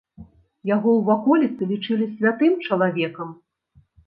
Яго ў ваколіцы лічылі святым чалавекам.